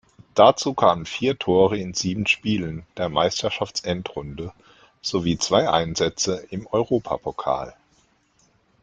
Dazu kamen vier Tore in sieben Spielen der Meisterschaftsendrunde sowie zwei Einsätze im Europapokal.